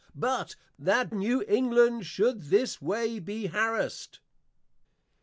But that New England should this way be harassed!